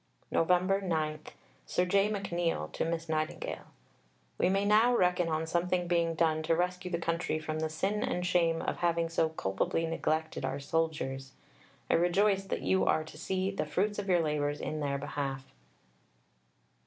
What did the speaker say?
Nov. 9 (Sir J. McNeill to Miss Nightingale). We may now reckon on something being done to rescue the country from the sin and shame of having so culpably neglected our soldiers. I rejoice that you are to see the fruits of your labours in their behalf.